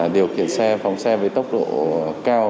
điều kiện xe phóng xe với tốc độ cao